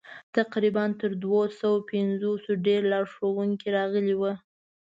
تقریباً تر دوه سوه پنځوسو ډېر لارښوونکي راغلي ول.